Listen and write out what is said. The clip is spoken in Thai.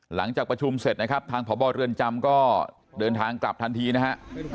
หลังจากประชุมเสร็จนะครับทางพบเรือนจำก็เดินทางกลับทันทีนะฮะ